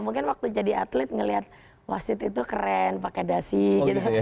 mungkin waktu jadi atlet ngelihat wasit itu keren pakai dasi gitu